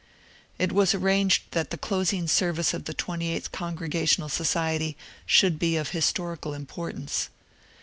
It was arranged that the closing service of the 28th Congregational Society should be of historical importance.